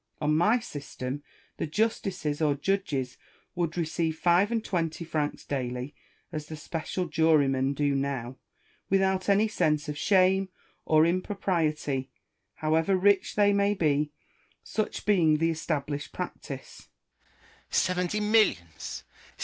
On my system, the justices or judges would receive five and twenty francs daily ; as the sjjecial jurymen do now, without any sense of shame or impropriety, however rich they may be : such being the established practice. Kousseau. Seventy millions